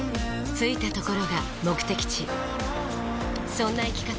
着いたところが目的地そんな生き方